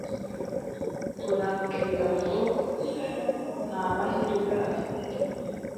Urambwira ngo nta mahirwe afite?